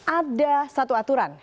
ada satu aturan